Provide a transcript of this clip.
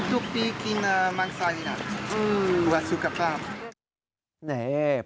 ทุกปีกินมังซาวิรัตน์เหมือนสุขภาพ